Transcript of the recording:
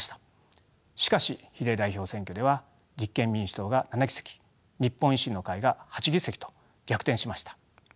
しかし比例代表選挙では立憲民主党が７議席日本維新の会が８議席と逆転しました。